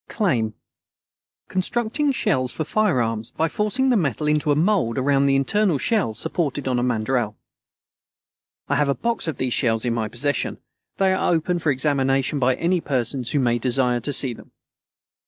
Claim Constructing shells for firearms by forcing the metal into a mould around an internal shell supported on a mandrel. I have a box of these shells in my possession. They are open for examination by any persons who may desire to see them.